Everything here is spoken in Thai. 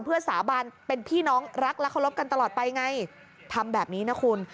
เพื่อสาบานเป็นพี่น้องรักและเคารพกันตลอดไปไงทำแบบนี้นะคุณ